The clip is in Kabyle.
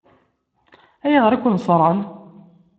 Ayɣer i ken-ṣṣṛen?